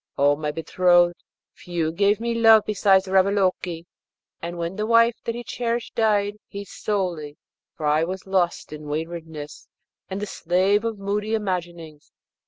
O my betrothed, few gave me love beside Ravaloke, and when the wife that he cherished died, he solely, for I was lost in waywardness and the slave of moody imaginings.